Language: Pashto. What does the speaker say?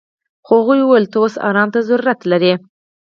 خو هغه وويل ته اوس ارام ته ضرورت لري.